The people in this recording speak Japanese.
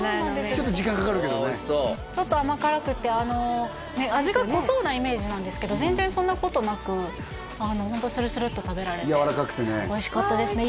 ちょっと時間かかるけどねちょっと甘辛くて味が濃そうなイメージなんですけど全然そんなことなくホントスルスルッと食べられておいしかったですね